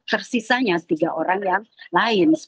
tersisanya tiga orang yang lain